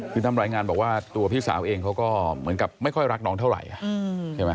คือทำรายงานบอกว่าตัวพี่สาวเองเขาก็เหมือนกับไม่ค่อยรักน้องเท่าไหร่ใช่ไหม